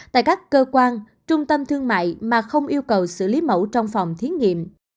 tại các cơ quan trung tâm thương mại mà không yêu cầu xử lý mẫu trong phòng thí nghiệm